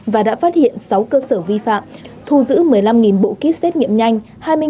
và đã phát hiện sáu cơ sở vi phạm thu giữ một mươi năm bộ kit xét nghiệm nhanh